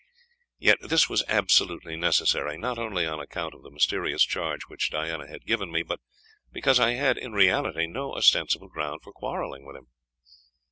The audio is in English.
Yet this was absolutely necessary, not only on account of the mysterious charge which Diana had given me, but because I had, in reality, no ostensible ground for quarrelling with him.